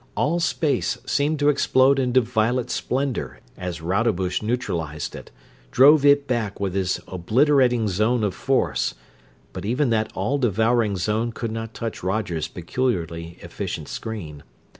All space seemed to explode into violet splendor as Rodebush neutralized it, drove it back with his obliterating zone of force; but even that all devouring zone could not touch Roger's peculiarly efficient screen.